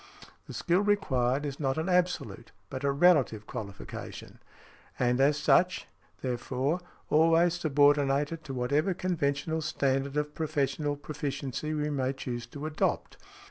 The skill required is not an absolute but a relative qualification; and as such, therefore, always subordinated to whatever conventional standard of professional proficiency we may choose to adopt.